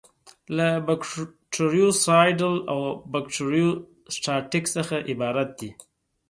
له بکټریوسایډل او بکټریوسټاټیک څخه عبارت دي.